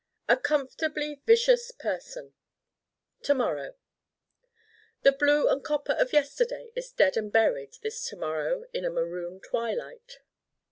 A comfortably vicious person To morrow The blue and copper of yesterday is dead and buried this To morrow in a maroon twilight.